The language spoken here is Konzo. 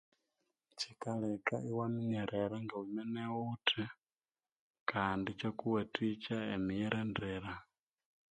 Kyikaleka iwaminyerera ngawimene wuthi kandi ikyakuwathikya emiyirindire.